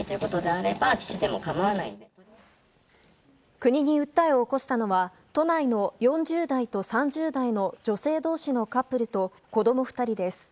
国に訴えを起こしたのは都内の４０代と３０代の女性同士のカップルと子供２人です。